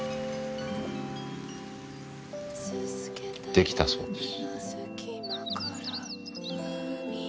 できたそうです。